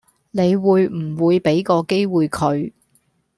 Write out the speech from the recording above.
你會唔會比個機會佢